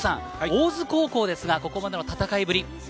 大津高校ですが、ここまでの戦いぶり。